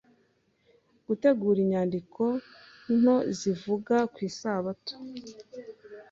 gutegura inyandiko nto zivuga kw’Isabato